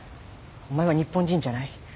お前は日本人じゃない。